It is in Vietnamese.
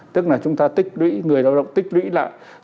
tức là chúng ta tích lũy người lao động tích lũy lại